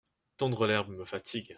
Tondre l’herbe me fatigue.